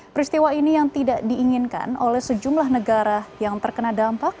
peristiwa ini yang tidak diinginkan oleh sejumlah negara yang terkena dampak